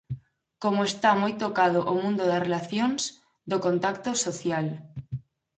Como está moi tocado o mundo das relacións, do contacto social.